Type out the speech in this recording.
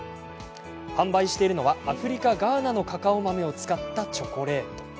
販売しているのはアフリカ、ガーナのカカオ豆を使ったチョコレート。